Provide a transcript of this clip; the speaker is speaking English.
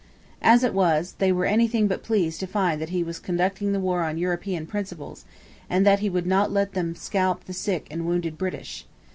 As it was, they were anything but pleased to find that he was conducting the war on European principles, and that he would not let them scalp the sick and wounded British.